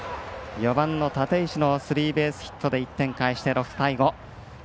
４番の立石のスリーベースヒットで６対５。